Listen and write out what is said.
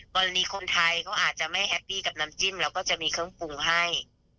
คนไทยเขาอาจจะไม่แฮปปี้กับน้ำจิ้มแล้วก็จะมีเครื่องปรุงให้